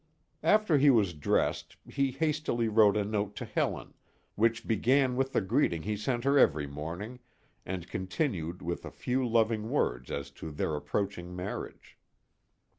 After he was dressed, he hastily wrote a note to Helen, which began with the greeting he sent her every morning, and continued with a few loving words as to their approaching marriage.